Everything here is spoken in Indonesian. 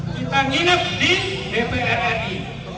kita nginep di dpr ri